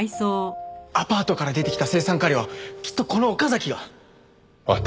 アパートから出てきた青酸カリはきっとこの岡崎が。